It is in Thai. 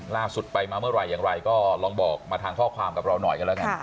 ล่าสุดไปมาเมื่อไหร่อย่างไรก็ลองบอกมาทางข้อความกับเราหน่อยกันแล้วกัน